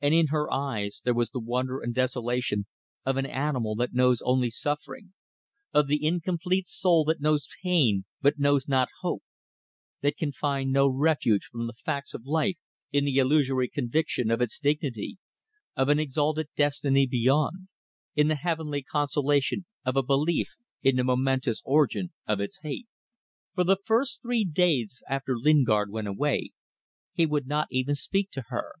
And in her eyes there was the wonder and desolation of an animal that knows only suffering, of the incomplete soul that knows pain but knows not hope; that can find no refuge from the facts of life in the illusory conviction of its dignity, of an exalted destiny beyond; in the heavenly consolation of a belief in the momentous origin of its hate. For the first three days after Lingard went away he would not even speak to her.